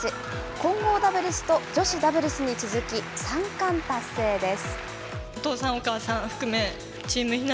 混合ダブルスと女子ダブルスに続き、３冠達成です。